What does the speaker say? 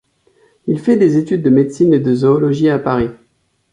Il fait des études de médecine et de zoologie à Paris.